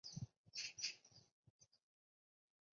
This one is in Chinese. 明末农民起义军将领。